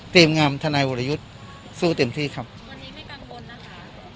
เตรียมงำทนายวรยุทธ์สู้เต็มที่ครับวันนี้ไม่กังวลนะครับ